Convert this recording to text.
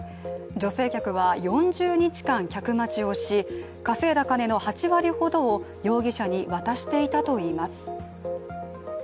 女性客は、４０日間客待ちをし稼いだ金の８割ほどを容疑者に渡していたといいます。